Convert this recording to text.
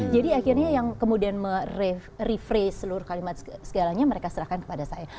jadi akhirnya yang kemudian merephrase seluruh kalimat segalanya mereka serahkan kepada saya